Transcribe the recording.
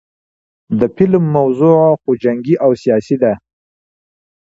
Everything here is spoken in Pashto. د فلم موضوع خو جنګي او سياسي ده